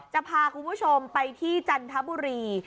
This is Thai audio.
จะพาคุณผู้ชมไปที่จันทบุรี